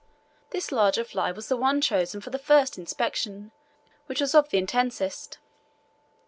This larger fly was the one chosen for the first inspection, which was of the intensest.